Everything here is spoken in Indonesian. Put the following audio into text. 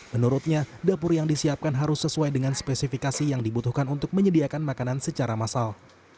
menurutnya dapur yang disiapkan harus sesuai dengan spesifikasi yang dibutuhkan untuk menyediakan makanan secara massal